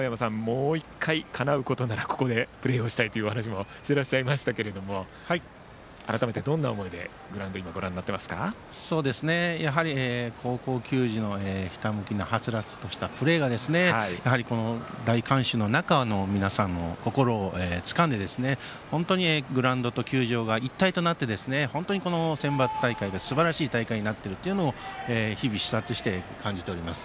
もう１回、かなうことならここでプレーをしたいとお話もしていらっしゃいましたが改めて、どんな思いでグラウンドをご覧になっていますか。やはり高校球児のひたむきなはつらつとしたプレーがこの大観衆の皆さんの心をつかんで本当にグラウンドと球場が一体となって、センバツ大会がすばらしい大会になっていると日々、視察して感じております。